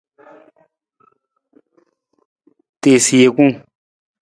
Tiisa jekung.